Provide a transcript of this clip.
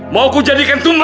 mau ku jadikan tumar kau